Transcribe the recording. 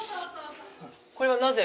これはなぜ？